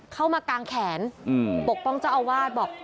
มากางแขนปกป้องเจ้าอาวาสบอก